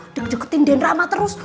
udah ngejeketin den rama terus